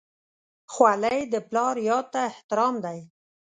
خولۍ د پلار یاد ته احترام دی.